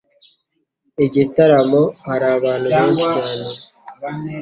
Igitaramo hari abantu benshi cyane.